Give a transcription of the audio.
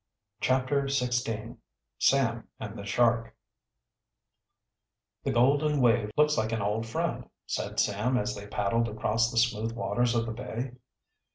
CHAPTER XVI SAM AND THE SHARK "The Golden Wave looks like an old friend," said Sam as they paddled across the smooth waters of the bay.